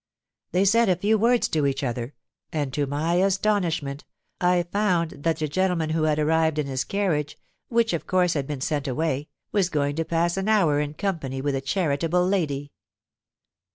They said a few words to each other; and to my astonishment I found that the gentleman who had arrived in his carriage (which of course had been sent away) was going to pass an hour in company with the charitable lady.